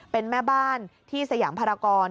เป็นแม่บ้านที่สยามภารกร